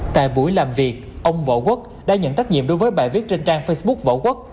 tại buổi làm việc ông võ quốc đã nhận trách nhiệm đối với bài viết trên trang facebook võ quốc